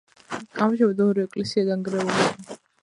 ამჟამად ორივე ეკლესია დანგრეულია.